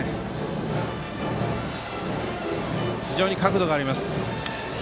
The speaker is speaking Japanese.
非常に角度がありますね。